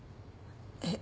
えっ？